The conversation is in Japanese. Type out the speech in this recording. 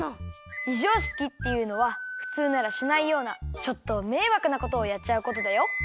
ひじょうしきっていうのはふつうならしないようなちょっとめいわくなことをやっちゃうことだよ。